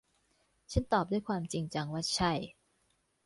ฉันตอบด้วยความจริงจังว่า ใช่